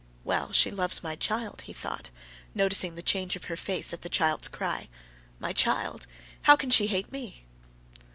"Well, she loves my child," he thought, noticing the change of her face at the child's cry, "my child: how can she hate me?"